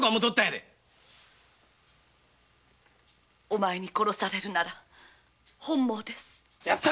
お前に殺されるなら本望です。